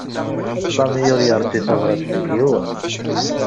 Sami ur yeṛji tabṛat seg yiwen.